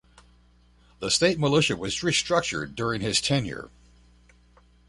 The state militia was restructured during his tenure.